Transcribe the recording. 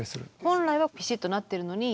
本来はピシッとなってるのに。